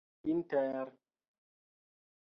inter